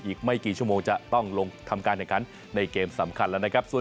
อีกไม่กี่ชั่วโมงจะต้องลงทำการแข่งขันในเกมสำคัญแล้วนะครับ